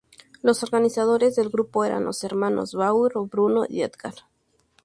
Los organizadores del grupo eran los hermanos Bauer, Bruno y Edgar.